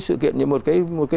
sự kiện như một cái